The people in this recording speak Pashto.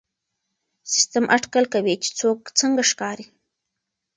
سیسټم اټکل کوي چې څوک څنګه ښکاري.